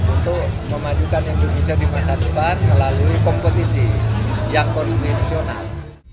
untuk memajukan indonesia di masa depan melalui kompetisi yang konstitusional